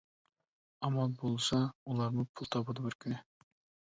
ئامان بولسا ئۇلارمۇ پۇل تاپىدۇ بىر كۈنى.